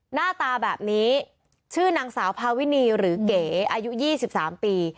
หน้าตาแบบนี้ชื่อนางสาวพาวินีหรือเก๋อายุ๒๓ปี